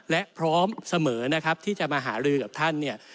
และพร้อมเสมอนะครับที่จะมาหารือกับท่านเนี่ย